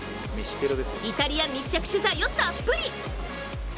イタリア密着取材をたっぷり！